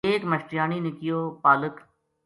ایک ماشٹریانی نے کہیو:”پالک